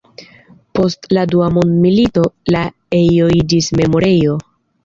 Post la dua mondmilito la ejo iĝis memorejo.